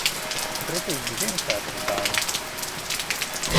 Priecīgus Ziemassvētkus, Daini.